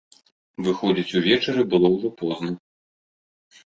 Выходзіць увечары было ўжо позна.